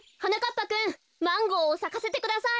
ぱくんマンゴーをさかせてください。